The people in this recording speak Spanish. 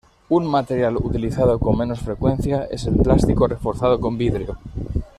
Un material utilizado con menos frecuencia es el plástico reforzado con vidrio.